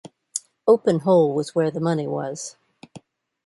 Open hole was where the money was.